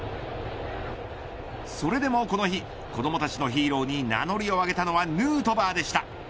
それでもこの日子どもたちのヒーローに名乗りを上げたのはヌートバーでした。